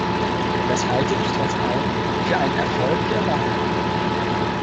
Das halte ich, trotz allem, für einen Erfolg für Albanien.